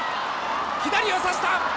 左を差した。